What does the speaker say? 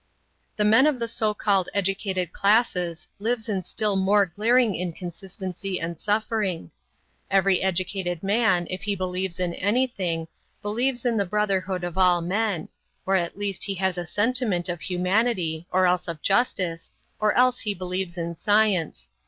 The man of the so called educated classes lives in still more glaring inconsistency and suffering. Every educated man, if he believes in anything, believes in the brotherhood of all men, or at least he has a sentiment of humanity, or else of justice, or else he believes in science.